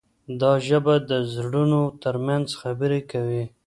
دا ژبه د زړونو ترمنځ خبرې کوي.